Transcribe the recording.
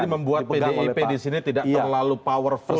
membuat pdip disini tidak terlalu powerful